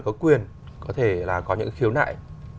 có quyền có thể là có những khiếu nại